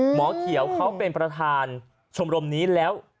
หมอเขียวเขาเป็นประธานชมรมนี้แล้ว